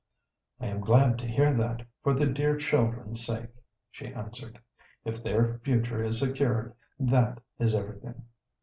"I am glad to hear that, for the dear children's sake," she answered. "If their future is secured, that is everything."